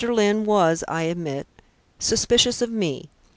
Lyne was, I admit, suspicious of me.